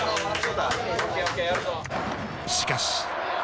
しかし。